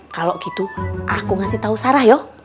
kalau gitu aku ngasih tau sarah